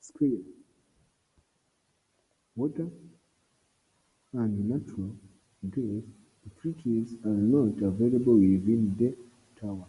Sewer, water, and natural gas utilities are not available within the town.